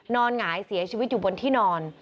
หงายเสียชีวิตอยู่บนที่นอน